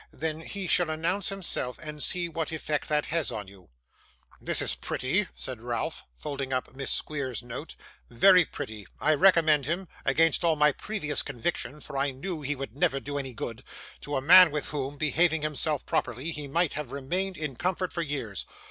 'Then he shall announce himself, and see what effect that has on you.' 'This is pretty,' said Ralph, folding up Miss Squeers's note; 'very pretty. I recommend him against all my previous conviction, for I knew he would never do any good to a man with whom, behaving himself properly, he might have remained, in comfort, for years.